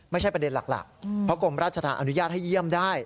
ไม่ใช่ประเด็นหลักเพราะกรมราชธรรมอนุญาตให้เยี่ยมได้